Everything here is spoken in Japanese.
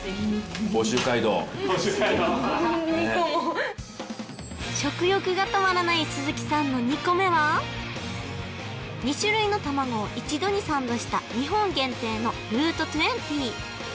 甲州街道ハハッ２個も食欲が止まらない鈴木さんの２個目は２種類の卵を一度にサンドした日本限定のＲＯＵＴＥ２０